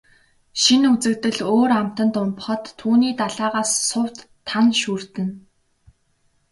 Шинэ үзэгдэл өөр амтанд умбахад түүний далайгаас сувд, тана шүүрдэнэ.